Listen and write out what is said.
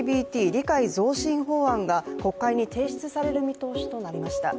理解増進法案が国会に提出される見通しとなりました。